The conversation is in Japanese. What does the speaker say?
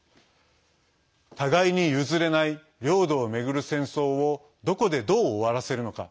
互いに譲れない領土を巡る戦争をどこで、どう終わらせるのか。